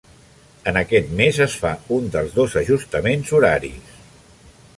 En aquest mes es fa un dels dos ajustaments horaris.